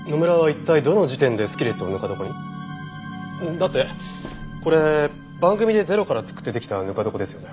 だってこれ番組でゼロから作ってできたぬか床ですよね？